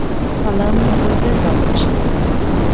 Falamos moitas horas.